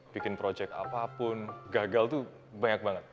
bikin proyek apapun gagal tuh banyak banget